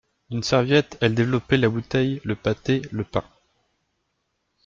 D'une serviette elle développait la bouteille, le pâté, le pain.